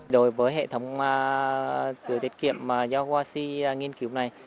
đối với hệ thống tưới tiết kiệm do hoa si nghiên cứu này